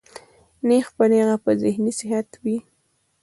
نېغ پۀ نېغه پۀ ذهني صحت وي